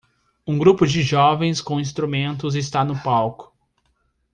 Um grupo de jovens com instrumentos está no palco.